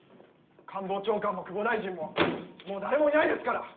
官房長官も久保大臣ももう誰もいないですから！